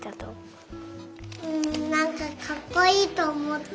んなんかかっこいいとおもった。